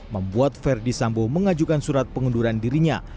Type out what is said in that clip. membuat verdi sambo mengajukan surat pengunduran dirinya